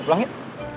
ya pulang yuk